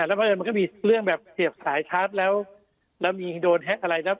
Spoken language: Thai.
แล้วก็มันก็มีเรื่องแบบเสียบสายชาร์จแล้วแล้วมีโดนแฮ็กอะไรแล้ว